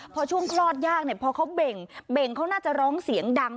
พอช่วงคลอดยากเนี่ยพอเขาเบ่งเบ่งเขาน่าจะร้องเสียงดัง